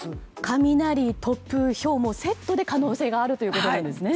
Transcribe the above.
雷、突風、ひょうセットで可能性があるということなんですね。